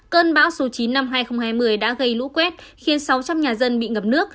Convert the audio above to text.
cơn bão số chín năm hai nghìn hai mươi đã gây lũ quét khiến sáu trăm linh nhà dân bị ngập nước